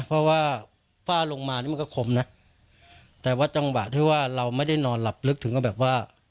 เพราะว่าฝ้าลงมานี่มันก็คมนะแต่ว่าจังหวะที่ว่าเราไม่ได้นอนหลับลึกถึงก็แบบว่า